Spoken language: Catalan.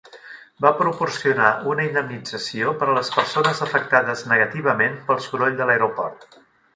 Va proporcionar una indemnització per a les persones afectades negativament pel soroll de l'aeroport.